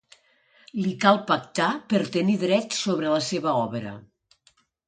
Li cal pactar per tenir drets sobre la seva obra.